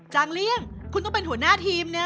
เลี่ยงคุณต้องเป็นหัวหน้าทีมนะ